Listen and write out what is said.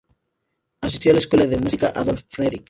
Asistió a la Escuela de Música Adolf Fredrik.